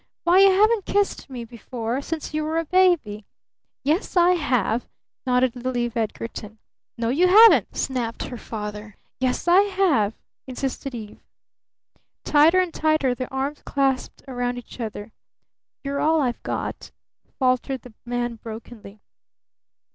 Why, you haven't kissed me before since you were a baby!" "Yes, I have!" nodded little Eve Edgarton. "No, you haven't!" snapped her father. "Yes, I have!" insisted Eve. Tighter and tighter their arms clasped round each other. "You're all I've got," faltered the man brokenly.